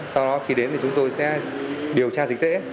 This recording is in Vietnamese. sau đó khi đến thì chúng tôi sẽ điều tra dịch tễ